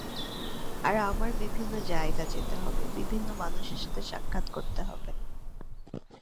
আর আমার বিভিন্ন জায়গা যেতে হবে, বিভিন্ন মানুষের সাথে সাক্ষাৎ করতে হবে।